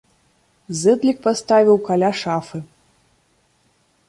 Зэдлік паставіў каля шафы.